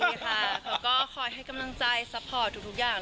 ใช่ค่ะเขาก็คอยให้กำลังใจซัพพอร์ตทุกอย่าง